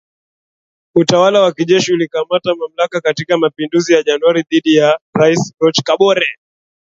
Utawala wa kijeshi ulikamata mamlaka katika mapinduzi ya Januari dhidi ya Rais Roch Kabore